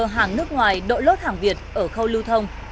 hàng nước ngoài đội lốt hàng việt ở khâu lưu thông